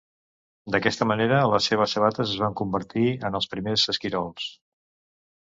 D'aquesta manera, les seves sabates es van convertir en els primers esquirols.